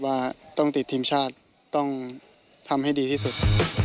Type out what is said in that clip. ว่าต้องติดทีมชาติต้องทำให้ดีที่สุด